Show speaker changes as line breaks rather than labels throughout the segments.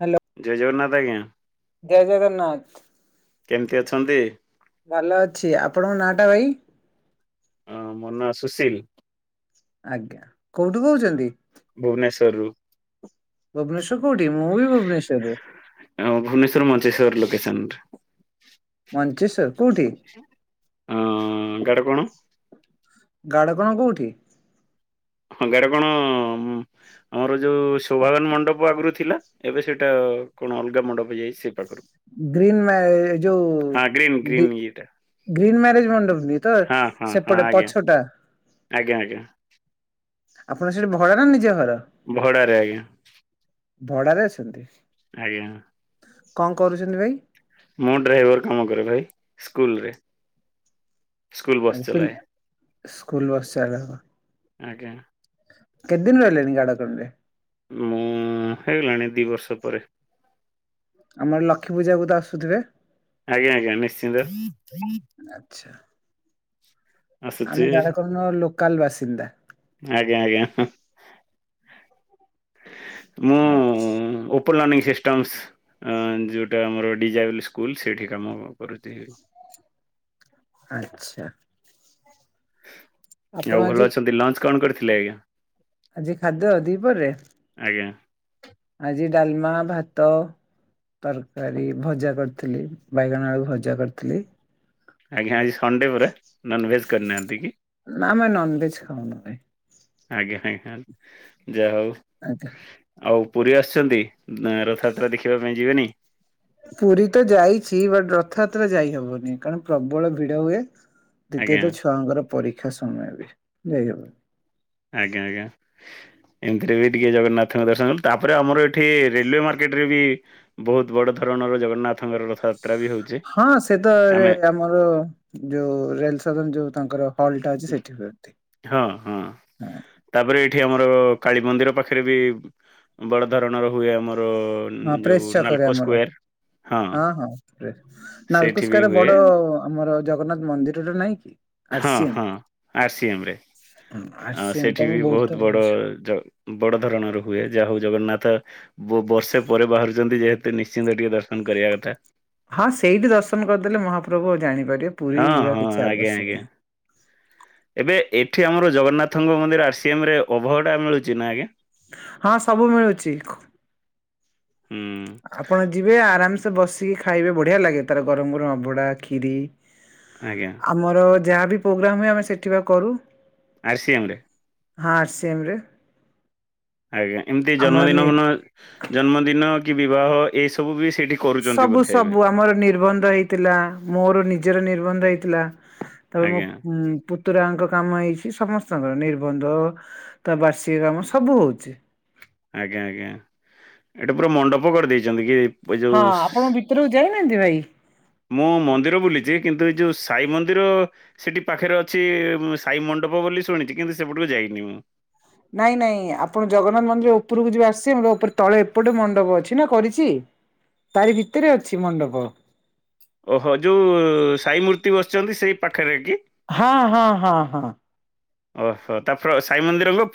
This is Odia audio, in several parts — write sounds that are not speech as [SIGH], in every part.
ହ୍ୟାଲୋ।
ଜୟ ଜଗନ୍ନାଥ, ଆଜ୍ଞା।
ଜୟ ଜଗନ୍ନାଥ।
କେମତି ଅଛନ୍ତି?
ଭଲ ଅଛି। ଆପଣଙ୍କ ନାଁ ଟା ଭାଇ?
ଅଁ ମୋ ନାଁ, ସୁଶୀଲ୍।
ଆଜ୍ଞା, କୋଉଠୁ କହୁଛନ୍ତି?
ଭୁବନେଶ୍ୱରରୁ।
ଭୁବନେଶ୍ଵ କୋଉଠି? ମୁଁ ବି ଭୁବନେଶ୍ୱରରେ।
ଅଁ ଭୁବନେଶ୍ୱର ମଞ୍ଚେଶ୍ଵର୍ ଲୋକେସନ୍ ରେ
ମଞ୍ଚେଶ୍ୱର କୋଉଠି?
ଅଁ ଗାଡ କଣ
ଗାଢ଼କଣା କୋଉଠି?
ହଁ, ଗାଢ଼ କଣ ଆମର ଯୋଉ ସୋଭାଗନ୍ ମଣ୍ଡପ ଆଗରୁ ଥିଲା। ଏବେ ସେଇଟା କଣ ଅଲଗା ମଣ୍ଡପ ଯାଇଚି, ସେ ପାଖରୁ।
ଗ୍ରୀନ୍ ମା ଏ ଯୋଉ
ହଁ ଗ୍ରୀନ୍ ଗ୍ରୀନ୍
ଦିପ୍
ଇଏଟା
ଗ୍ରୀନ୍ ମ୍ୟାରେଜ୍ ମଣ୍ଡପ ବି ତ
ହଁ ହଁ ହଁ
ସେପଟେ
ଆଜ୍ଞା
ପଛଟା।
ଆଜ୍ଞା ଆଜ୍ଞା।
ଆପଣ ସେ ଭରା ନା ନିଜ ଘର?
ଭଡାରେ ଆଜ୍ଞା।
ଭଡାରେ ଅଛନ୍ତି?
ଆଜ୍ଞା।
କଣ କରୁଛନ୍ତି ଭାଇ?
ମୁଁ ଡ୍ରାଇଭର୍ କାମ କରେ, ଭାଇ ସ୍କୁଲ ରେ।
ଆଜି ପିଲ୍ ସ୍କୁଲ ବସ୍ ସାରାହବ।
ଆଜ୍ଞା।
କେତ୍ ଦିନ ରହିଲେଣି ଗାଡ଼ କଣରେ?
ମୁଁ-ଉଁ ହେଇଗଲାଣି ଦି ବର୍ଷ ପରେ
ଆମର ଲକ୍ଷୀ ପୂଜାକୁ ତ ଆସୁଥିବେ?
ଆଜ୍ଞା, ଆଜ୍ଞା, ନିଶ୍ଚିନ୍ତ।
ଆଚ୍ଛା।
ଆସୁଛି
ଆମେ ଗାଡକନ୍ ର ଲୋକାଲ୍ ବାସିନ୍ଦା।
ଆଜ୍ଞା, ଆଜ୍ଞା, ହଁ, ମୁଁ
ଆ ଚ୍
ହୁଁ ଓପନ୍ ଲନିଂ ସିଷ୍ଟମ୍ସ୍। ଅ ଯୋଉଟା ଆମର ଡିଜାଇବଲ୍ ସ୍କୁଲ୍ ସେଇଠି କାମ କରୁଚି।
ଆଚ୍ଛା। ଆପଣ
ଆଉ
ଆଜି
ଭଲ ଅଛନ୍ତି ଲଞ୍ଚ୍ କଣ କରିଥିଲେ ଆଜ୍ଞା?
ଆଜି ଖାଦ୍ୟ ଦିପହରେ
ଆଜ୍ଞା।
ଆଜି ଡାଲ୍ମା ଭାତ ତରକାରୀ ଭଜା କରିଥିଲି ବାଇଗଣ ଆଳୁ ଭଜା କରିଥିଲି।
ଆଜ୍ଞା ଆଜି ସଣ୍ଡେ ପରା ନନ୍ଭେଜ୍ କରିନାହାନ୍ତି କି?
ନା ଆମେ ନନଭେଜ ଖାଉନୁ ଭାଇ
ଆଜ୍ଞା ଆଜ୍ଞା ଯା ହଉ।
ଆଜ୍ଞା!
ଆଉ ପୁରୀ ଆସିଛନ୍ତି ରଥଯାତ୍ରା ଦେଖିବା ପାଇଁ ଯିବେନି?
ପୁରୀ ତ ଯାଇଛି ବଟ୍ ରଥଯାତ୍ରା ଯାଇ ହବନି କାରଣ ପ୍ରବଳ ଭିଡ ହୁଏ।
ଆଜ୍ଞା
ଦ୍ଵିତୀୟତଃ ଛୁଆଙ୍କର ପରୀକ୍ଷା ସମୟ ଏବେ ଯାଇହବନି।
ଆଜ୍ଞା! ଆଜ୍ଞା! ଏମିତିରେ ବି ଟିକେ ଜଗନ୍ନାଥଙ୍କ ଦର୍ଶନ କଲୁ ତାପରେ ଆମର ଏଠି ରେଲୱେ ମାର୍କେଟ୍ ରେ ବି ବହୁତ ବଡ ଧରଣର ଜଗନ୍ନାଥଙ୍କର ରଥାଯାତ୍ରା
ହଁ ସେ ତ ଆମର ଯୋଉ ରେଲ୍ସଦନ୍ ଯୋଉ ତାଙ୍କର ହଲ୍ ଟା ଅଛି ସେଠି ହୁଅନ୍ତି।
ହଁ, ହଁ
ହଁ
ତାପରେ ଏଇଠି ଆମର କାଳୀମନ୍ଦିର ପାଖରେ ବି ବଡ଼ ଧରଣର ହୁଏ ଆମର
ହଁ
ଯୋଉ
ପ୍ରେସ୍ ଛକରେ
ନାଲକୋ
ଆମର
ସ୍କୋୟାର
ହଁ, ହଁ ପ୍ରେସ୍ ନାଲ୍ଛକୋ
ସେଇଠି ବି
ସ୍କୋୟାର୍ ରେ
ହୁଏ
ବଡ ଆମର ଜଗନ୍ନାଥ ମନ୍ଦିର ଟା ନାଇଁ କି ଆର୍ସିଏମ୍
ହଁ ଆର୍ସିଏମେ
ଆ
ହଁ
ସେମିତି
ସେଠି
ଆମେ
ବି
ଥର
ବହୁତ ବଡ଼
ଯାଇଛୁ।
ଜ ବଡ ଧରଣର ହୁଏ ଯାହା ହଉ ଜଗନ୍ନାଥ ବର୍ଷେ ପରେ ବାହାରୁଛନ୍ତି ଯେହେତୁ ନିଶ୍ଚିନ୍ତ ଟିକେ ଦର୍ଶନ କରିବା କଥା।
ହଁ, ସେଇଠି ଦର୍ଶନ କରିଦେଲେ ମହାପ୍ରଭୁ ଆଉ ଜାଣିପାରିବେ ପୁରୀ
ହଁ
ଯିବା
ହଁ
କିଛି
ଆଜ୍ଞା
ଆବଶ୍ୟକ
ଆଜ୍ଞା।
ନାହିଁ।
ଏବେ ଏଠି ଆମର ଜଗନ୍ନାଥଙ୍କ ମନ୍ଦିର ଆରସିିଏମ ରେ ଅଭଡା ମିଳୁଛି ନା ଆଜ୍ଞା?
ହଁ ସବୁ ମିଳୁଛି।
ହୁଁ।
ଆପଣ ଯିବେ ଆରାମ୍ ସେ ବସିକି ଖାଇବେ ବଢିଆ ଲାଗେ ତାର ଗରମ୍ ଗରମ୍ ଅଭଡା ଖିୀରି
ଆଜ୍ଞା!
ଆମର ଯାହା ବିି ପ୍ରୋଗ୍ରାମ୍ ହୁଏ ଆମେ ସେଠି ବା କରୁ।
ଆର୍ସିଏମ୍ ରେ।
ହଁ, ଆର୍ସିଏମ୍ ରେ।
ଆଜ୍ଞା ଏମିତି
ଆମର
ଜନ୍ମଦିନ
ନି
ମନ ଜନ୍ମଦିନ କି ବିବାହ ଏଇ ସବୁ ବି ସେଇଠି କରୁଛନ୍ତି
ସବୁ
ବୋଧେ ଏବେ
ସବୁ ଆମର ନିର୍ବନ୍ଧ ହେଇଥିଲା, ମୋର ନିଜର ନିର୍ବନ୍ଧ ହେଇଥିଲା। ତା ପରେ ମୋ
ଆଜ୍ଞା
ପୁତ୍ ଋତୁରାମଙ୍କ କାମ ହେଇଛି ସମସ୍ତଙ୍କର ନିର୍ବନ୍ଧ ତା ବାର୍ଷିକ କାମ ସବୁ ହଉଛି।
ଆଜ୍ଞା! ଆଜ୍ଞା! ଏଇଟା ପୁରା ମଣ୍ଡପ କରିଦେଇଛନ୍ତି କି? ଏଇଜଉ
ହଁ ଆପଣ
ସ୍
ଭିତରକୁ ଯାଇନାହାନ୍ତି ଭାଇ?
ମୁଁ ମନ୍ଦିର ବୁଲିଛି କିନ୍ତୁ ଏ ଯଉ ସାଇ ମନ୍ଦିର ସେଠି ପାଖରେ ଅଛି ସାଇ ମଣ୍ଡପ ବୋଲି ଶୁଣିଛି କିନ୍ତୁ ସେପଟକୁ ଯାଇନି ମୁଁ।
ନାଇଁ ନାଇଁ ଆପଣ ଜଗନ୍ନାଥ ମନ୍ଦିର ଉପରକୁ ଯଉ ଆସିବେ ମୋର ଉପରେ ତଳେ ଏପଟେ ମଣ୍ଡପ ଅଛି ନା କରିଛି। ତାରି ଭିତରେ ଅଛି ମଣ୍ଡପ।
ଓହୋ! ଯୋଉ ସାଇ ମୂର୍ତ୍ତି ବସିଛନ୍ତି ସେଇ ପାଖରେ କି?
ହଁ, ହଁ, ହଁ, ହଁ।
ଓହୋ ତାପରେ ସାଇ ମନ୍ଦିରଲୋ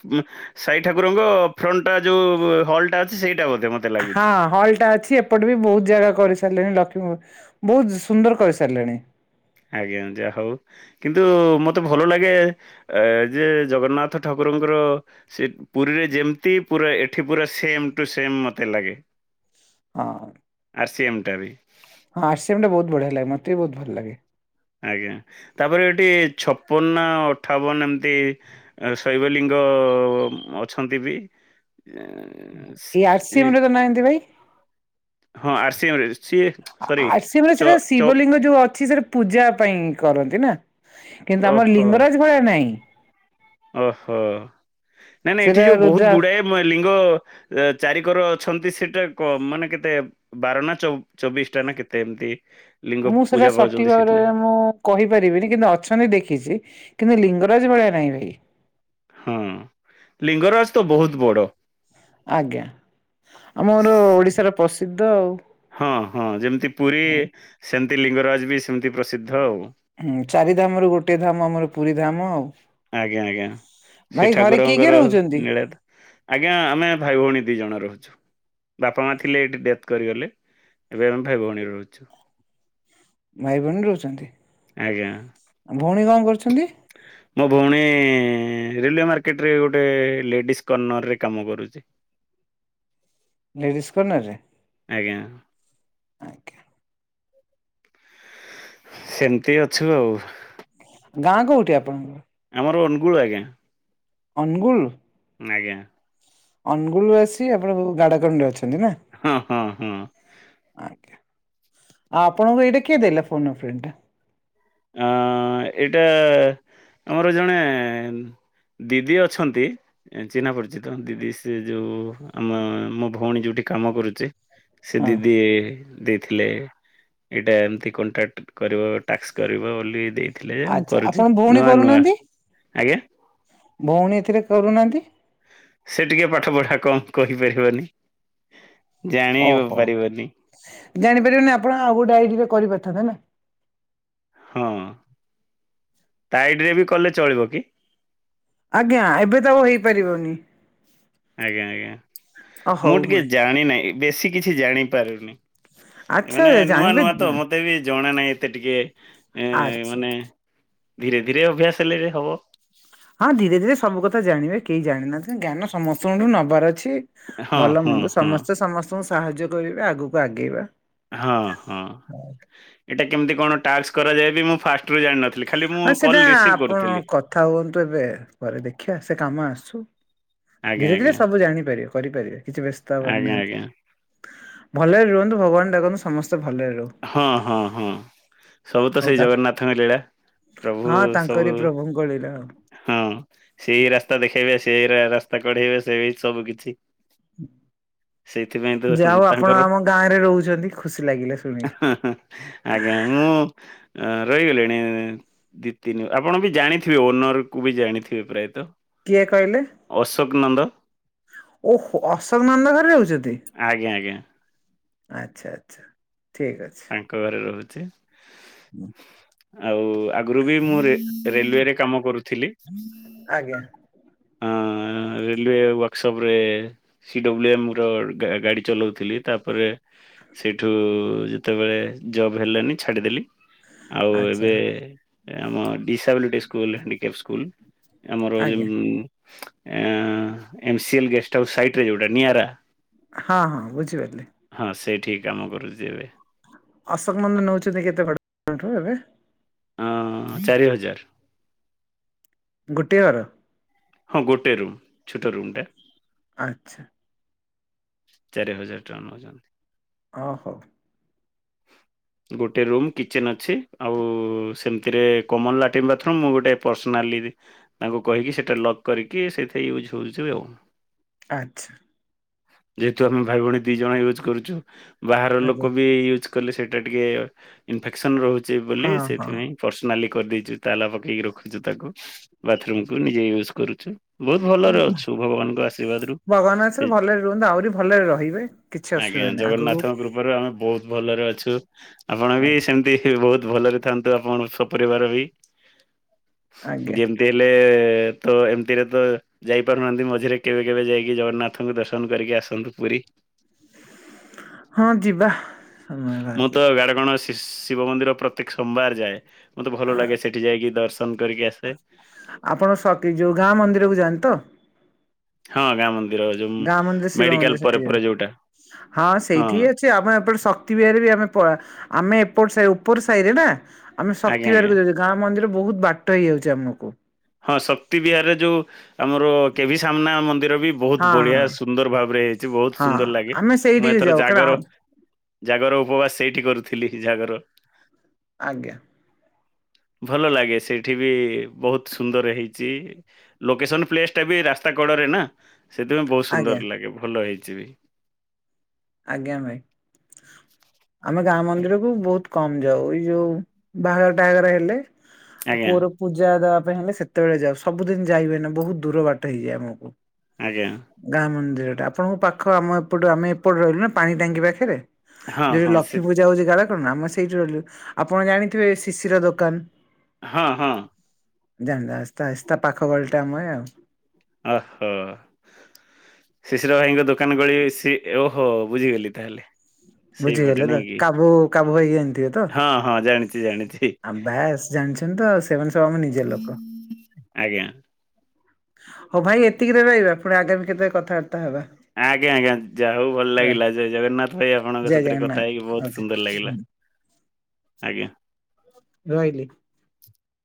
ସାଇ ଠାକୁରଙ୍କ ଫ୍ରଣ୍ଟ ଟା ଯୋଉ ହଲ୍ ଟା ଅଛି ସେଇଟା ବୋଧେ ମତ
ହଁ, ହଲ୍ ଟା ଅଛି ଏପ ଏପଟେ ବି ବହୁତ ଜାଗା କରିସାରିଲେଣି। ଲକ୍ଷ୍ମୀପୁର ବୋହୁତ ସୁନ୍ଦର କରି ସାରିଲେଣି।
ଆଜ୍ଞା। ଯାହା ହଉ କିନ୍ତୁ ମତେ ଭଲ ଲାଗେ ଏ ଯେ ଜଗନ୍ନାଥ ଠାକୁରଙ୍କର ସେ ପୁରୀରେ ଯେମତି ପୁରା ଏଠି ପୁରା ସେମ ଟୁ ସେମ ମତେ ଲାଗେ।
ହଁଁ।
ଆରସିଏମ ଟାବି।
ହଁ ଆରସିଏମ ଟା ବୋହୁତ ବଢିଆ ଲାଗେ ମତେ ବି ବୋହୁତ ଭଲ ଲାଗେ।
ଆଜ୍ଞା। ତାପରେ ଏଠି ଛପନ ନା ଅଠାବନ ଏମିତି ଶୈବଲିଙ୍ଗ ଅଛନ୍ତି ବି। ଏଁ, ସ-
ଏଇ ଆରସିଏମ
ଇ-
ରେ ତ ନାହାଁନ୍ତି ଭାଇ?
ହଁ ଆରସିଏମରେ। ସିଏ
ଆ
ସରି
ଆରସିଏମ ରେ
ଚ
ସେଟା
ଚ
ଶିବଲିଙ୍ଗ ଯୋଉ ଅଛି ସେଟା ପୂଜା ପାଇଁ କରନ୍ତି ନା? କିନ୍ତୁ ଆମର
ଓହୋ
ଲିଙ୍ଗରାଜ ଭଳିଆ ନାହିଁ।
ଓହୋ। ନାଇଁ ନଇଁ ଏଠି
ସେଟା
ଯୋଉ ବହୁତ
ରୁଦ୍ରା
ଗୁଡାଏ ଲିଙ୍ଗ ଚାରିିକର ଅଛନ୍ତି ସେଟା କଣ ମାନେ କେତେ? ବାର ନା ଚବିଶ ଟା ନା କେତେ ଏମିତି। ଲିଙ୍ଗ
ମୁଁ ସେଟା
ପୂଜା
ସଠିକ
ପାଉଛନ୍ତି ସେଠି ନା
ଭାବରେ ମୁଁ କହିପାରିବିନି କିନ୍ତୁ ଅଛନ୍ତି ଦେଖିଛି। କିନ୍ତୁ ଲିଙ୍ଗରାଜ ଭଳିଆ ନାହିଁ ଭାଇ।
ହଁ ଲିଙ୍ଗରାଜ ତ ବହୁତ ବଡ।
ଆଜ୍ଞା। ଆମର ଓଡ଼ିଶାର ପ୍ରସିଦ୍ଧ ଆଉ।
ହଁ ହଁ ଯେମିତି ପୁରୀ ସେମିତି ଲିଙ୍ଗରାଜ ବି ସେମିତି ପ୍ରସିଦ୍ଧ ଆଉ।
ହୁଁ ଚାରି ଧାମ ରୁ ଗୋଟେ ଧାମ ଆମର ପୁରୀ ଧାମ ଆଉ।
ଆଜ୍ଞା ଆଜ୍ଞା। ସେ
ଭାଇ ଘରେ କିଏ କିଏ
ଠାକୁରଙ୍କର
ରହୁଛନ୍ତି
ନୀଳା ତ ଆଜ୍ଞା ଆମେ ଭାଇ ଭଉଣୀ ଦି ଜଣ ରହୁଛୁ। ବାପା ମା ଥିଲେ ଏଇଠି ଡେଥ୍ କରିଗଲେ। ଏବେ ଆମେ ଭାଇ ଭଉଣୀ ରହୁଛୁ।
ଭାଇ ଭଉଣୀ ରହୁଛନ୍ତି।
ଆଜ୍ଞା।
ଆଉ ଭଉଣୀ କଣ କରୁଛନ୍ତି?
ମୋ ଭଉଣୀ ରେଲୱ ମାର୍କେଟରେ ଗୋଟେ ଲେଡିସ୍ କର୍ଣ୍ଣର ରେ କାମ କରୁଛି।
ଲେଡ଼ିସ୍ କର୍ଣ୍ଣରରେ?
ଆଜ୍ଞା। ସେମିତି ଅଛୁ ଆଉ।
ଗାଁ କୋଉଠି ଆପଣଙ୍କର?
ଆମର ଅନୁଗୁଳ ଆଜ୍ଞା।
ଅନୁଗୁଲ।
ଆଜ୍ଞା।
ଅନୁଗୁଳୁ ଆସି ଆପଣ ଗାଡ଼ାକଣ୍ଡରେ ଅଛନ୍ତି ନା?
ହଁ ହଁ ହଁ।
ଆଜ୍ଞା। ଆଉ ଆପଣଙ୍କୁ ଏଇଟା କିଏ ଦେଲା ଫୋନ ଏ ଫ୍ରେଣ୍ଡ ଟା?
ଆ ଏଇଟା ଆମର ଜଣେ ଦିଦି ଅଛନ୍ତି। ଚିହ୍ନା ପରିଚିତ ଦିଦି ସେ ଯୋଉ ଆମ ମୋ ଭଉଣୀ ଯୋଉଠି କାମ କରୁଛି। ସେ
ହଁ
ଦିଦି ଦେଇଥିଲେ ଏଇଟା ଏମତି କଣ୍ଟାକ୍ଟ କରିବ ଟାସ୍କ। କରିବ ବୋଲି ଦେଇଥିଲେ ମୁଁ
ଆଚ୍ଛା ଆପଣ
କରୁଛି
ଭଉଣୀ
ନୂଆ ନୂଆ
କରୁନାହାନ୍ତି
ଆଜ୍ଞା।
ଭଉଣୀ ଏଥିରେ କରୁନାହାନ୍ତି।
ସେ ଟିକେ ପାଠ ପଢା କମ କହିପାରିବନି ଜାଣି
ଓହୋ।
ପାରିବନି।
ଜାଣିପାରିବନି ଆପଣ ଆଉ ଗୋଟେ ଆଇଡି ରେ କରିପାରିଥାନ୍ତେ ନା।
ହଁ ତା ଆଇଡିରେ ବି କଲେ ଚଳିବ କି?
ଆଜ୍ଞା ଏବେ ତ ଆଉ ହେଇପାରିବନି।
ଆଜ୍ଞା, ଆଜ୍ଞା,
ଅ
ମୁଁ
ହଉ
ଟିକେ ଜାଣିିନାହିଁ ବେଶୀ କିଛି ଜାଣି ପାରୁନି।
ଆଚ୍ଛା
ମାନେ ନୂଆ
ଜାଣିବେ
ନୂଆ ତ ମତେ ବି ଜଣା ନାହିଁ ଏତେ ଟିକେ। ଏ
ଆଛ।
ମାନେ ଧୀରେ ଧୀରେ ଅଭ୍ୟାସ ହେଲେ ବି ହବ।
ହଁ ଧୀରେ ଧୀରେ ସବୁ କଥା ଜାଣିବେ କେହି ଜାଣିନହାନ୍ତି ଜ୍ଞାନ ସମସ୍ତଙ୍କ ଠୁ ନବାର ଅଛି।
ହଁ
ଭଲ
ହଁ
ମନ୍ଦ
ହଁ।
ସମସ୍ତେ ସମସ୍ତଙ୍କୁ ସାହାଯ୍ୟ କରିବେ ଆଗକୁ ଆଗେଇବା।
ହଁ ହଁ ଏଇଟା କେମିତି କଣ ଟାସ୍କ କରାଯାଏ ବି ମୁଁ ଫାଷ୍ଟରୁୁ ଜାଣିନଥିଲି। ଖାଲି ମୁଁ
ହଁ ସେଟା
କଲ୍ ରିସିଭ୍
ଆପଣ
କରୁଥିଲି।
କଥା ହୁଅନ୍ତୁ ଏବେ ପରେ ଦେଖିବା ସେ କାମ ଆସୁ।
ଆଜ୍ଞା
ଧୀରେ ଧୀରେ
ଆଜ୍ଞା
ସବୁ ଜାଣିପାରିବେ କରିପାରିବେ କିଛି ବ୍ୟସ୍ତ ହବାରି
ଆଜ୍ଞା
ନାହାନ୍ତି।
ଆଜ୍ଞା
ଭଲରେ ରୁହନ୍ତୁ ଭଗବାନ ଡାକନ୍ତୁ ସମସ୍ତେ ଭଲରେ ରୁହନ୍ତୁ।
ହଁ ହଁ ହଁ। ସବୁ ତ ସେଇ
ତା
ଜଗନ୍ନାଥଙ୍କ ଲୀଳା ପ୍ରଭୁ
ହଁ
ସବୁ।
ତାଙ୍କରି ପ୍ରଭୁଙ୍କ ଲୀଳା ଆଉ।
ହଁ ସେଇ ରାସ୍ତା ଦେଖେଇବେ ସେଇ ରାସ୍ତା କଢେଇବେ ସେ ବି ସବୁ କିଛି। ସେଇଥିପାଇଁ ତ
ଯା ହଉ ଆପଣ
ତାଙ୍କର
ଆମ ଗାଁ ରେ ରହୁଛନ୍ତି ଖୁସି ଲାଗିଲା ଶୁଣିିକି।
ଆଜ୍ଞା ମୁଁ ରହିଗଲିଣି ଉଁ। ଦିଇ ତିନି ଆପଣ ବି ଜାଣିଥିବେ ଓନର କୁ ବି ଜାଣିଥିବେ ପ୍ରାୟତଃ।
କିଏ କଇଲେ।
ଅଶୋକ ନନ୍ଦ।
ଓହୋ ଅଶୋକ ନନ୍ଦ ଘରେ ରହୁଛନ୍ତି।
ଆଜ୍ଞା ଆଜ୍ଞା।
ଆଛା ଆଛା ଠିକ ଅଛି।
ତାଙ୍କ ଘରେ ରହୁଚି।
[INAUDIBLE]
ଆଉ ଆଗରୁ ବି ମୁଁ ରେ ରେଲୱେରେ କାମ କରୁଥିଲି।
ଆଜ୍ଞା।
ଆଁ। ରେଲୱେ ୱାର୍କସପ୍ ରେ ସି ଡବ୍ଲ୍ୟୁ ଏମ୍ ର ଗାଡ଼ି ଚଲାଉଥିଲି ତା ପରେ। ସେଇଠୁ ଯେତେବେଳେ ଜବ୍ ହେଲାନି ଛାଡ଼ିଦେଲି। ଆଉ
ଆଚ୍ଛା
ଏବେ ଆମ ଡିସାବିଲିଟି ସ୍କୁଲ ହାଣ୍ଡିକ୍ୟାପ୍ ସ୍କୁଲ ଆମର ଯେ
ଆଜ୍ଞା।
ଆଁ ଏମସିଏଲ ଗେଷ୍ଟ ହାଉସ୍ ସାଇଟ ରେ ଯୋଉଟା ନିଆରା
ହଁ ହଁ ବୁଝିପାରିଲି।
ହଁ ସେଇଠି କାମ କରୁଚି ଏବେ।
ଅଶୋକ ନନ୍ଦ ନେଉଛନ୍ତି କେତେ ଭଡ଼ା ତମ ଠୁ ଏବେ।
ଆଁ ଚାରି ହଜାର।
ଗୋଟିଏ ଘର।
ହଁ ଗୋଟେ ରୁମ୍ ଛୋଟ ରୁମ୍ ଟା।
ଆଚ୍ଛା।
ଚାରି ହଜାର ଟଙ୍କା ନଉଛନ୍ତି।
ଅ ହଉ।
[INAUDIBLE] ଗୋଟେ ରୁମ୍ କିଚେନ୍ ଅଛି ଆଉ ସେମିତିରେ କମନ ଲାଟିନ୍ ବାଥରୁମ୍ ମୁଁ ଗୋଟେ ପର୍ସନାଲିରେ ତାଙ୍କୁ କହିକି ସେଇଟା ଲକ୍ କରିକି ସେଇଥିରେ ୟୁଜ୍ ହଉଚି ଆଉ।
ଆଚ୍ଛା।
ଯେହେତୁ ଆମେ ଭାଇ ଭଉଣୀ ଦି ଜଣ ୟୁଜ୍ କରୁଛୁ ବାହାର
ଆଜ୍ଞା
ଲୋକ ବି ୟୁଜ୍ କଲେ ସେଇଟା ଟିକେ ଇନଫେକ୍ସନ୍ ରହୁଚି ବୋଲି
ହଁ ହଁ।
ସେଇଥିପାଇଁ ପର୍ସନାଲି କରିଦେଇଚୁ ତାଲା ପକେଇକି ରଖୁଛୁ ତାକୁ ବାଥରୁମକୁ ନିଜେ ୟୁଜ କରୁଚୁ। ବହୁତ ଭଲରେ ଅଛୁ ଭଗବାନଙ୍କ ଆଶୀର୍ବାଦ ରୁ
ଭଗବାନ
ସେ
ଆଶୀର୍ବାଦରୁ ଭଲରେ ରୁହନ୍ତୁ ଆହୁରି ଭଲରେ ରହିବେ କିଛି
ଆଜ୍ଞା
ଅସୁବିଧା ନାହିଁ ଆଗକୁ
ଜଗନ୍ନାଥଙ୍କ କୃପାରୁ ଆମେ ବହୁତ ଭଲରେ ଅଛୁ ଆପଣ ବି ସେମତି ବହୁତ ଭଲରେ ଥାଆନ୍ତୁ ଆପଣ ସପରିବାର ବି
ଆଜ୍ଞା
ଯେମ୍। ଥିଲେ ତ ଏମିତିରେ ତ ଯାଇପାରୁନାହାନ୍ତି ମଝିରେ କେବେ କେବେ ଯାଇକି ଜଗନ୍ନାଥଙ୍କୁ ଦର୍ଶନ କରିକି ଆସନ୍ତୁ ପୁରୀ।
ହଁ ଯିବା। ସମୟ ବାହାର
ମୁଁ ତ
କରି।
ଗାଡଗଣ ଶି ଶିବ ମନ୍ଦିର ପ୍ରତ୍ୟେକ ସୋମବାର ଯାଏ। ମୋତେ ଭଲ ଲାଗେ ସେଠି ଯାଇକି ଦର୍ଶନ କରିକି ଆସିଲେ।
ଆପଣ ସ ତି ଯୋଉ ଗାଁ ମନ୍ଦିର କୁ ଯାଆନ୍ତି ତ।
ହଁ ଗାଁ ମନ୍ଦି
ଗାଁ ମନ୍ଦିର ଶିବ ମନ୍ଦିର ସେଠି
ଯୋଉଟା
ହଁ ସେଇଠି ହି ଅଛି। ଆମ ଏପଟ ଶକ୍ତି ବିହାରରେ ବି ଆମେ ପ ଆମେ ଏପଟ ଉପର ସାହିରେ ରେ ନା। ଆମେ
ଆଜ୍ଞା
ଶକ୍ତି
ଆଜ୍ଞା
ବିହାରକୁ ଯାଉଚୁ ଗାଁ ମନ୍ଦିର ବହୁତ ବାଟ ହେଇଯାଉଚି ଆମକୁ।
ହଁ ଶକ୍ତି ବିହାରରେ ଯୋଉ ଆମର କେଭି ସାମ୍ନା ମନ୍ଦ। ମନ୍ଦିର ବି ବହୁତ
ହଁ
ବଢିଆ
ହଁ
ସୁନ୍ଦର ଭାବରେ ହେଇଛି ବହୁତ
ହଁ
ସୁନ୍ଦର ଲାଗେ
ଆମେ
ମୁଁ
ସେଇଠିକି
ଏଥର
ଯାଉ କାରଣ
ଜାଗର
ଆମ
ଜାଗର ଉପବାସ ସେଇଠି କରୁଥିଲି ଜାଗର
ଆଜ୍ଞା।
ଭଲ ଲାଗେ ସେଇଠି ବି ବହୁତ ସୁନ୍ଦର ହେଇଛି ଲୋକେସନ ପ୍ଲେସ ଟା ବି ରାସ୍ତା କଡରେ ନା। ସେଥିପାଇଁ ବହୁତ
ଆଜ୍ଞା
ସୁନ୍ଦର ଲାଗେ ଭଲ ହେଇଛି ବି।
ଆଜ୍ଞା ଭାଇ। ଆମେ ଗାଁ ମନ୍ଦିରକୁୁ ବହୁତ କମ ଯାଉ ଏଇ ଯୋଉ ବାହାଘର ଟାହା ଘର ହେଲେ ଆଉ
ଆଜ୍ଞା
ପୁଅର ପୂଜା ଦେବା ପାଇଁ ହେଲେ ସେତେବେଳେ ଯାଉ ସବୁଦିନ ଯାଇ ହୁଏନା ବହୁତ ଦୂର ବାଟ ହେଇଯାଏ ଆମକୁ।
ଆଜ୍ଞା।
ଗାଁ ମନ୍ଦିର ଟା ଆପଣଙଙ୍କୁ ପାଖ ଆମ ଏପଟୁ ଆମେ ଏପଟେ ରହିଲୁ ନା ପାଣି ଟାଙ୍କି ପାଖରେ।
ହଁ
ଯୋଉଠି
ହଁ ସେ
ଲକ୍ଷ୍ମୀ ପୂଜା ହଉଛି କାର କଣ ଆମେ ସେଇଠି ରହିଲୁ ଆପଣ ଜାଣିଥିବେ ଶିଶିର ଦୋକାନ।
ହଁ ହଁ।
ଜାଣିଲ ଆହିସ୍ତା ଆହିସ୍ତା ପାଖ ଗଳିଟା ଆମେ ଆଉ।
ଓ ହୋ। ଶିଶିର ଭାଇଙ୍କ ଦୋକାନ ଗଳି ସିଟି ଓହୋ ବୁଝିଗଲି ତାହେଲେ। ସେଇପଟେ
ବୁଝିଗଲେ ତ
ନାଇଁ କି?
କାବୁ କାବୁ ଭାଇ କି ଜାଣିଥିବେ ତ।
ହଁ ହଁ ଜାଣିଛି ଜାଣିଛି।
ଆଉ ବସ୍ ଜାଣିଛନ୍ତି ତ ଆଉ ସେମାନେନ ସବୁ ଆମ ନିଜେ ଲୋକ।
ଆଜ୍ଞା।
ହଉ ଭାଇ ଏତିକିରେ ରହିବା ପୁଣି ଆଗାମୀ କେବେ କଥାବାର୍ତ୍ତା ହବା।
ଆଜ୍ଞା ଆଜ୍ଞା ଯାହା ହଉ ଭଲ ଲାଗିଲା ଜୟ ଜଗନ୍ନାଥ ଭାଇ ଆପଣଙ୍କ
ଜୟ
ସାଥିରେ କଥା
ଜଗନ୍ନାଥ
ହେଇକି ବହୁତ
ଓକେ
ସୁନ୍ଦର ଲାଗିଲା। ଆଜ୍ଞା
ରହିଲି